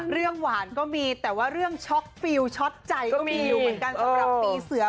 หวานก็มีแต่ว่าเรื่องช็อกฟิลช็อตใจก็มีอยู่เหมือนกันสำหรับปีเสือ